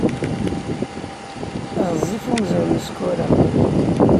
Ɣezzif umzur n Sekkura.